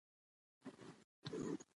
د مېلو له پاره د سیمو تر منځ سیالۍ هم کېږي.